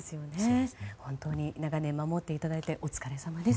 本当に長年、守っていただいてお疲れさまです。